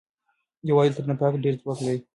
یووالی تر نفاق ډېر ځواک لري.